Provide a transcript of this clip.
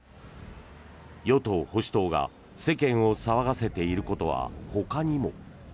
与党・保守党が世間を騒がせていることはほかにも。